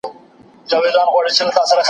صنعت به وده وکړي.